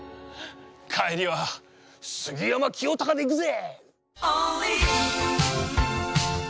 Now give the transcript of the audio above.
帰りは杉山清貴で行くぜ！